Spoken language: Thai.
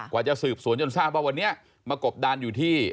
กว่าจะสืบสวนจนทราบว่าวันนี้มากบดานอยู่ที่